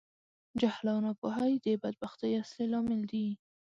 جهل او ناپوهۍ د بدبختي اصلی لامل دي.